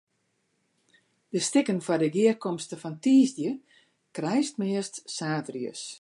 De stikken foar de gearkomste fan tiisdei krijst meast saterdeis.